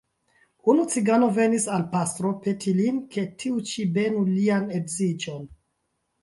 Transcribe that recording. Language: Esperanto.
Unu cigano venis al pastro peti lin, ke tiu ĉi benu lian edziĝon.